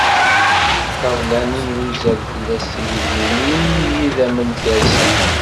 Ṭṭabla-nni n wuzzal fell-as tigelmimin n yidammen kersent.